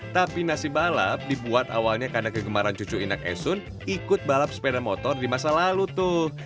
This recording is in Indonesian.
tapi nasi balap dibuat awalnya karena kegemaran cucu inak esun ikut balap sepeda motor di masa lalu tuh